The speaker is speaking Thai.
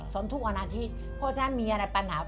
นทุกวันอาทิตย์เพราะฉะนั้นมีอะไรปัญหา